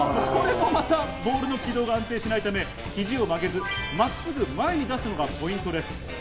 これでボールの軌道が安定しないため、ひじを曲げずに、まっすぐ出すのがポイントです。